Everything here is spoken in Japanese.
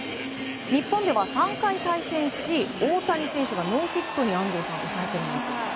日本では３回対戦し大谷選手がノーヒットに抑えているんですよ。